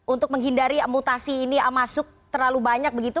untuk menghindari mutasi ini masuk terlalu banyak begitu